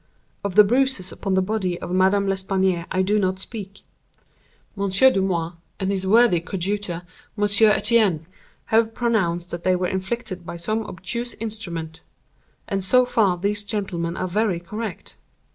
Of the bruises upon the body of Madame L'Espanaye I do not speak. Monsieur Dumas, and his worthy coadjutor Monsieur Etienne, have pronounced that they were inflicted by some obtuse instrument; and so far these gentlemen are very correct.